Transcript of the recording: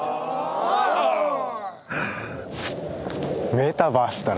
メタバースだろ？